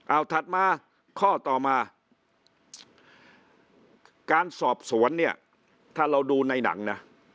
เอาถัดมาข้อต่อมาการสอบสวนเนี่ยถ้าเราดูในหนังนะ